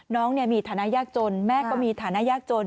น้องมีฐานะยากจนแม่ก็มีฐานะยากจน